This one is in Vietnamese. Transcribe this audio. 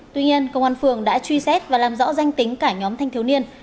tuy nhiên công an phường đã truy xét và làm rõ danh tính cả nhóm thanh thiếu niên